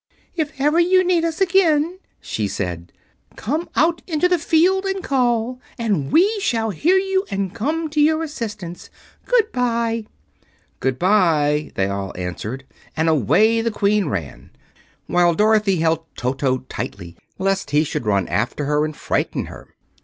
"If ever you need us again," she said, "come out into the field and call, and we shall hear you and come to your assistance. Good bye!" "Good bye!" they all answered, and away the Queen ran, while Dorothy held Toto tightly lest he should run after her and frighten her.